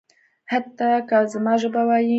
حتی که زما ژبه وايي.